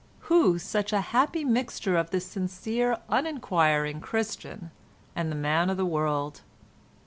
Who such a happy mixture of the sincere uninquiring Christian and of the man of the world?